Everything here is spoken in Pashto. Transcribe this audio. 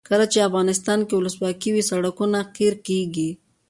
کله چې افغانستان کې ولسواکي وي سړکونه قیر کیږي.